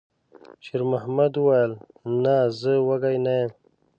شېرمحمد وویل: «نه، زه وږی نه یم.»